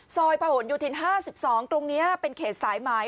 ซอยผ่านอยู่ทิศ๕๒ตรงนี้เป็นเขตสายไม้